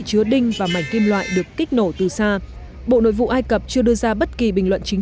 chứa đinh và mảnh kim loại được kích nổ từ xa bộ nội vụ ai cập chưa đưa ra bất kỳ bình luận chính